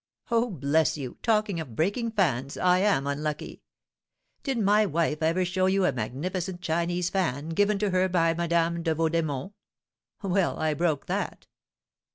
"Oh, bless you! talking of breaking fans, I am unlucky. Did my wife ever show you a magnificent Chinese fan, given to her by Madame de Vaudémont? Well, I broke that!"